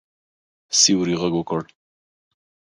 سیوري غږ وکړ.